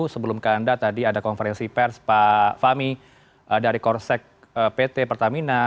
sebelum ke anda tadi ada konferensi pers pak fahmi dari korsek pt pertamina